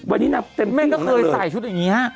วันนี้นั่งเต็มสิ่งอันนั้นเลยแม่ก็เคยใส่ชุดอย่างนี้ฮะ